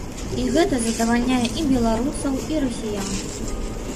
І гэта задавальняе і беларусаў, і расіян.